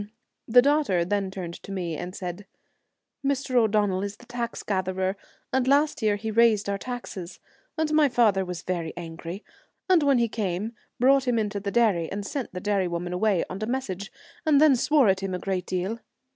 The daughter then turned to me and said, ' Mr. O'Donnell is the tax gatherer, and last year he raised our taxes, and my father was very angry, and when he came, brought him into the dairy, and sent the dairy woman away on a mes sage, and then swore at him a great deal.